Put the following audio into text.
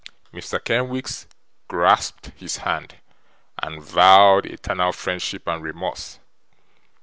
Mr. Kenwigs grasped his hand, and vowed eternal friendship and remorse.